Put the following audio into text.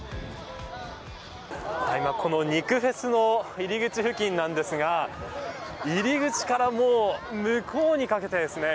今、この肉フェスの入り口付近なんですが入り口からも向こうにかけてですね